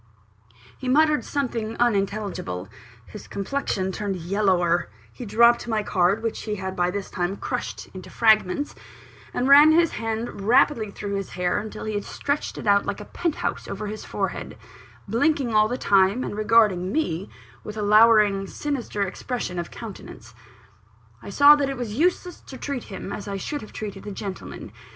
He muttered something unintelligible; his complexion turned yellower; he dropped my card, which he had by this time crushed into fragments; and ran his hand rapidly through his hair until he had stretched it out like a penthouse over his forehead blinking all the time, and regarding me with a lowering, sinister expression of countenance. I saw that it was useless to treat him as I should have treated a gentleman.